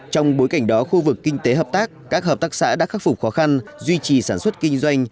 trong bối cảnh đó khu vực kinh tế hợp tác các hợp tác xã đã khắc phục khó khăn duy trì sản xuất kinh doanh